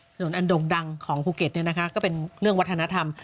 ถนนอันดงดังของภูเก็ตเนี่ยนะคะก็เป็นเรื่องวัฒนธรรม